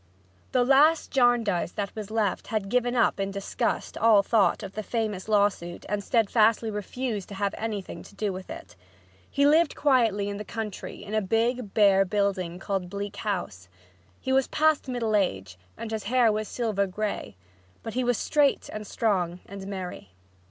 The last Jarndyce that was left had given up in disgust all thought of the famous lawsuit and steadfastly refused to have anything to do with it. He lived quietly in the country in a big, bare building called Bleak House. He was past middle age, and his hair was silver gray, but he was straight and strong and merry.